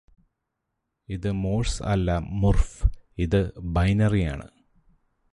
ഇത് മോഴ്സ് അല്ല മുര്ഫ് ഇത് ബൈനറിയാണ്